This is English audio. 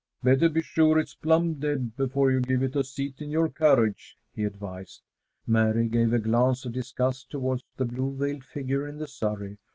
"Better be sure it's plumb dead before you give it a seat in your carriage," he advised. Mary gave a glance of disgust toward the blue veiled figure in the surrey.